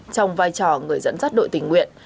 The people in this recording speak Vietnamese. trong vai trò người dẫn dắt đội tình nguyện